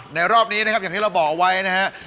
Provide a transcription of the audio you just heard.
ในรอบนี้นะครับอย่างที่เราบอกไวนะครับ